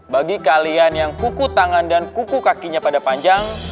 bagi kalian yang kuku tangan dan kuku kakinya pada panjang